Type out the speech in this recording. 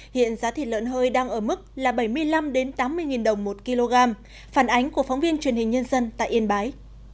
hiện giá thịt lợn hơi đang ở mức là bảy mươi năm tám mươi đồng một kg phản ánh của phóng viên truyền hình nhân dân tại yên bái